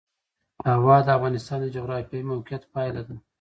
هوا د افغانستان د جغرافیایي موقیعت پایله ده.